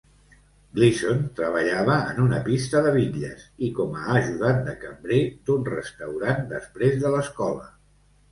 Gleason treballava en una pista de bitlles i com a ajudant de cambrer d'un restaurant després de l'escola.